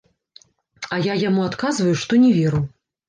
А я яму адказваю, што не веру.